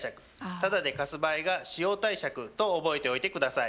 タダで貸す場合が使用貸借と覚えておいて下さい。